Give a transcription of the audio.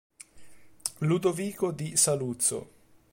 Ludovico+di+Saluzzo